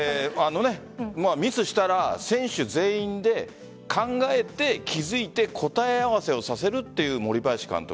ミスしたら選手全員で考えて、気付いて答え合わせをさせるという森林監督。